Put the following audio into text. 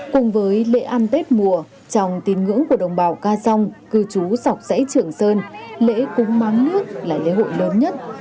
cùng với lễ ăn tết mùa trong tín ngưỡng của đồng bào ca song cư trú sọc giải trưởng sơn lễ cúng máng nước là lễ hội lớn nhất